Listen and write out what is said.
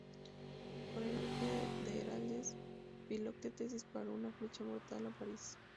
Con el arco de Heracles, Filoctetes disparó una flecha mortal a Paris.